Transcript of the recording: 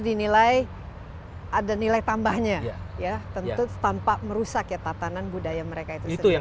dinilai ada nilai tambahnya ya tentu tanpa merusaknya tatanan budaya mereka itu yang